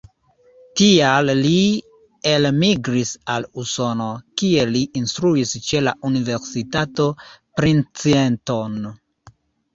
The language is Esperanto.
Tial li elmigris al Usono, kie li instruis ĉe la universitato Princeton.